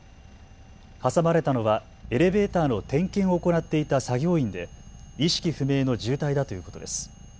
挟まれたのはエレベーターの点検を行っていた作業員で意識不明の重体だということです。